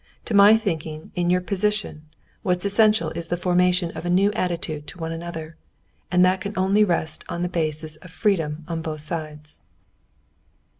To my thinking, in your position what's essential is the formation of a new attitude to one another. And that can only rest on a basis of freedom on both sides."